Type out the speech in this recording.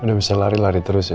udah bisa lari lari terus ya